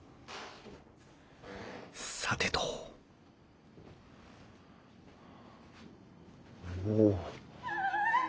さてとおお。